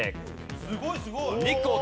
すごいすごい！